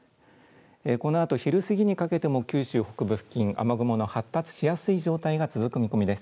このあと、昼過ぎにかけても九州北部付近、雨雲の発達しやすい状態が続く見込みです。